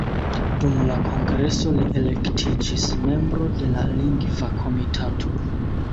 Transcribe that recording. Dum la kongreso li elektiĝis membro de la Lingva Komitato.